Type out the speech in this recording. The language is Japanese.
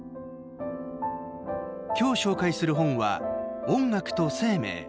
今日、紹介する本は「音楽と生命」。